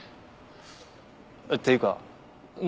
っていうかな